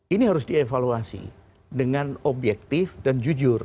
ini harus dievaluasi dengan objektif dan jujur